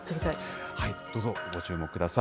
どうぞご注目ください。